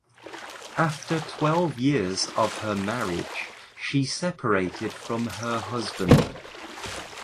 After twelve years of her marriage she separated from her husband.